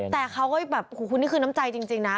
แต่เขาก็คือนี่คือน้ำใจจริงนะ